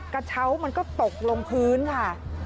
กระเช้ามันก็ตกลงพื้นค่ะ